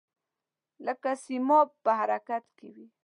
لکه سیماب په حرکت کې وي.